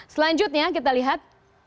selanjutnya kita lihat